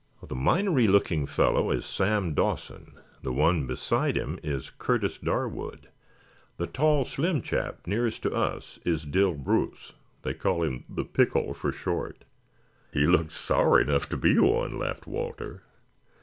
"The minery looking fellow is Sam Dawson. The one beside him is Curtis Darwood. The tall, slim chap nearest to us is Dill Bruce. They call him the Pickle for short." "He looks sour enough to be one," laughed Walter.